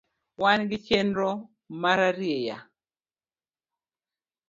Wangi chenro mararieya.